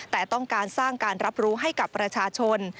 แต่ต้องการสร้างการรับรู้ให้กับประชาชน